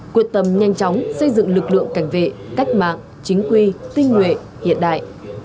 quyết tâm nhanh chóng xây dựng lực lượng cảnh vệ cách mạng chính quy tinh nguyện hiện đại